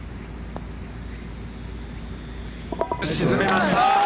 沈めました。